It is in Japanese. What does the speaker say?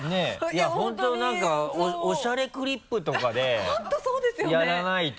いや本当何か「おしゃれクリップ」とかでやらないと。